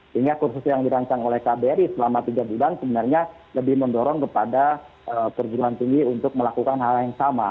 sehingga kursus yang dirancang oleh kbri selama tiga bulan sebenarnya lebih mendorong kepada perguruan tinggi untuk melakukan hal yang sama